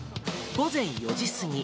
午前４時過ぎ。